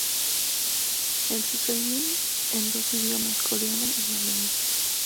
Entertainment en dos idiomas: coreano y mandarín.